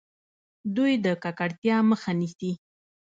دوی د ککړتیا مخه نیسي.